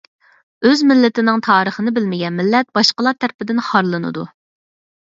ئۆز مىللىتىنىڭ تارىخىنى بىلمىگەن مىللەت باشقىلار تەرىپىدىن خارلىنىدۇ.